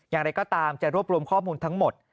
อย่างไรก็ตามจะรวบรวมข้อมูลทั้งหมด